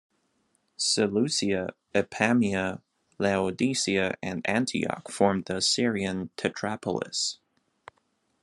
Seleucia, Apamea, Laodicea, and Antioch formed the Syrian tetrapolis.